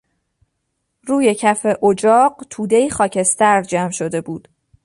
روی کف اجاق تودهای خاکستر جمع شده بود.